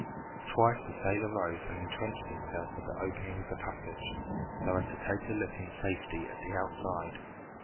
Twice the sailor rose and intrenched himself at the opening of the passage, so as to take a look in safety at the outside.